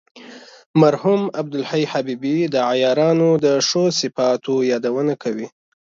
مرحوم عبدالحی حبیبي د عیارانو د ښو صفاتو یادونه کوي.